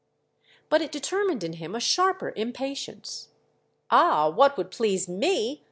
But it determined in him a sharper impatience. "Ah, what would please me!